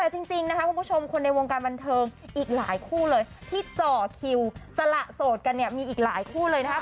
แต่จริงนะคะคุณผู้ชมคนในวงการบันเทิงอีกหลายคู่เลยที่เจาะคิวสละโสดกันเนี่ยมีอีกหลายคู่เลยนะครับ